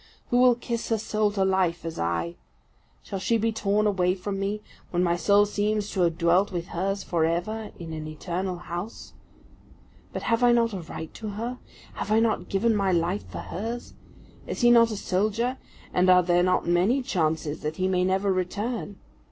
Who will kiss her soul to life as I? Shall she be torn away from me, when my soul seems to have dwelt with hers for ever in an eternal house? But have I not a right to her? Have I not given my life for hers? Is he not a soldier, and are there not many chances that he may never return?